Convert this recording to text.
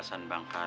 nggak mau ngehajar